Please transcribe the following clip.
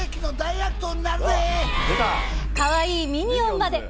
かわいいミニオンまで。